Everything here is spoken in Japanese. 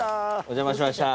お邪魔しました。